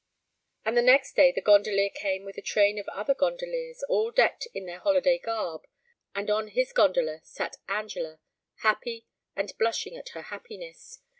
And the next day the gondolier came with a train of other gondoliers, all decked in their holiday garb, and on his gondola sat Angela, happy, and blushing at her happiness.